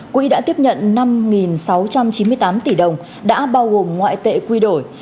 quỹ đã tiếp nhận năm sáu trăm chín mươi tám tỷ đồng đã bao gồm ngoại tệ quy đổi